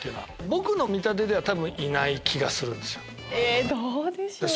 僕の見立てでは多分いない気がするんですよ。